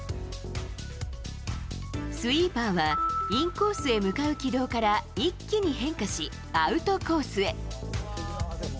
スイーパーは、インコースへ向かう軌道から、一気に変化し、アウトコースへ。